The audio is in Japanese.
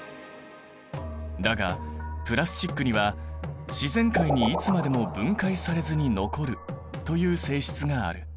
だがプラスチックには自然界にいつまでも分解されずに残るという性質がある。